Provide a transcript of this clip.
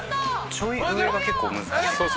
「ちょい上が結構難しいのか」